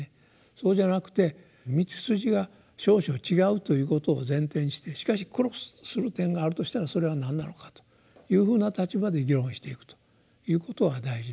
そうじゃなくて道筋が少々違うということを前提にしてしかしクロスする点があるとしたらそれは何なのかというふうな立場で議論をしていくということが大事で。